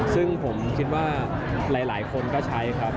ซึ่งผมคิดว่าหลายคนก็ใช้ครับ